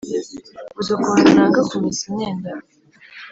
Uzi ukuntu nanga kumesa imyenda